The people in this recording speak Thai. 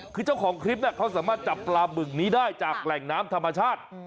คือเจ้าของคลิปเขาสามารถจับปลาบึกนี้ได้จากแหล่งน้ำธรรมชาติ